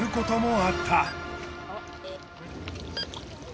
あっ。